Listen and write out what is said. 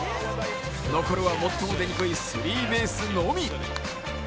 残るは最も出にくいスリーベースのみ。